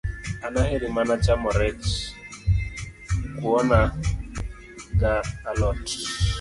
An aheri mana chamo rech, kuona ga alot